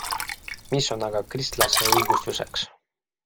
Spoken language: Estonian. Mis on aga kristlase õigustuseks?